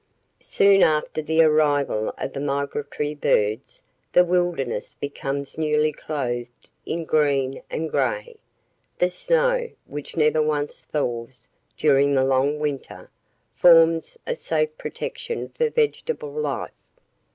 Soon after the arrival of the migratory birds the wilderness becomes newly clothed in green and gray. The snow, which never once thaws during the long winter, forms a safe protection for vegetable life.